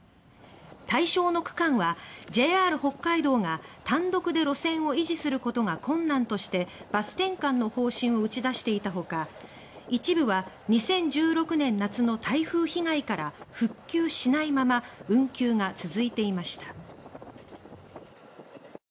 対象の区間はＪＲ北海道が単独で路線を維持することが困難としてバス転換の方針を打ち出していたほか一部は２０１６年夏の台風被害から復旧しないまま運休が続いていました。